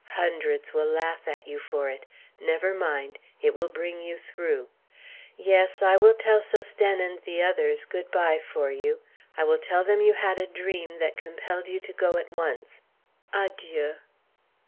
Hundreds will laugh at you for it: never mind; it will bring you through. Yes, I will tell Sosthène and the others good by for you. I will tell them you had a dream that compelled you to go at once. Adieu."